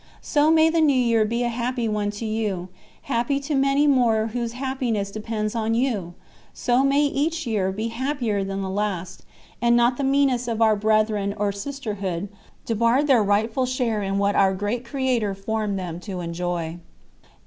"So may the New Year be a happy one to you, happy to many more whose happiness depends on you! So may each year be happier than the last, and not the meanest of our brethren or sisterhood debarred their rightful share in what our great Creator formed them to enjoy."